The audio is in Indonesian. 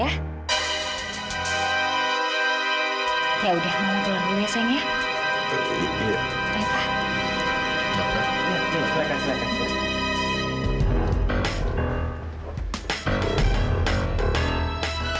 yaudah mamah keluar dulu ya sayang ya